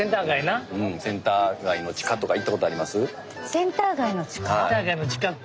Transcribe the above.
センター街の地下？